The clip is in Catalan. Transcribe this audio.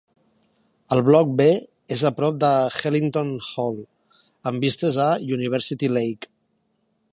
El bloc B és a prop de Heslington Hall amb vistes a University Lake.